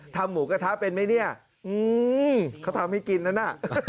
หมูกระทะเป็นไหมเนี่ยเขาทำให้กินนั้นน่ะ